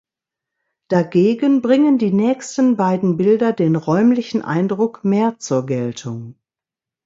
Dagegen bringen die nächsten beiden Bilder den räumlichen Eindruck mehr zur Geltung.